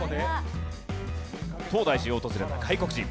東大寺を訪れた外国人。